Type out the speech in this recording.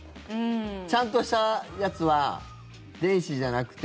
ちゃんとしたやつは電子じゃなくて。